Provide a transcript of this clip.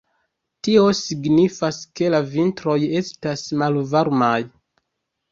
Tio signifas ke la vintroj estas malvarmaj.